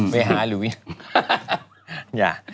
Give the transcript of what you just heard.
เวหาหรือย่า